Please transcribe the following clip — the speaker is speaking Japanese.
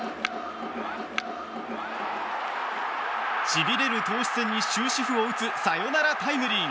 しびれる投手戦に終止符を打つサヨナラタイムリー。